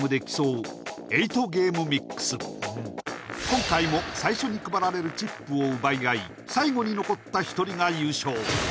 今回も最初に配られるチップを奪い合い最後に残った１人が優勝